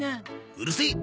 うるせえ！